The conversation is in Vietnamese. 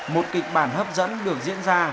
một kịch bản hấp dẫn được diễn ra